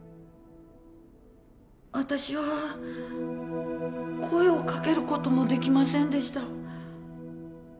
私は声をかける事もできませんでした。